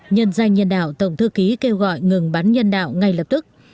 nhân danh nhân đạo tổng thư ký kêu gọi ngừng bắn nhân đạo ngay lập tức